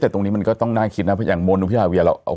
แต่ตรงนี้มันก็ต้องน่าคิดนะเพราะอย่างโมนูพิราเวียเรา